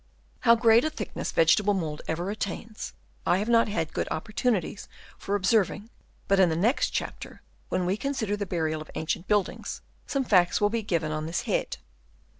How great a thickness vegetable mould ever attains, I have not had good opportunities for observing; but in the next chapter, when we consider the burial of ancient buildings, some facts will be given on this head.